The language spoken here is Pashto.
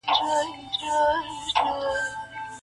کرۍ ورځ ګرځي د کلیو پر مردارو!.